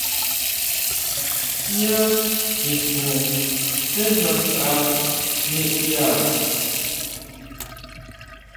Yá kijun sejna tʼa niʼya.